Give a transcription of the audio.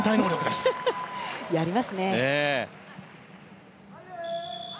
やりますね。